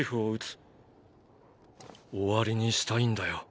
終わりにしたいんだよ